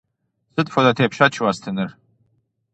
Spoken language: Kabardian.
Сыт хуэдэ тепщэч уэстынур?